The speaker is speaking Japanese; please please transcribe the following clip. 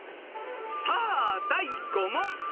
［さあ第５問］